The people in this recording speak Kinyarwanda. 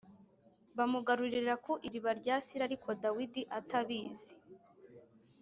bamugarurira ku iriba rya Sira ariko Dawidi atabizi.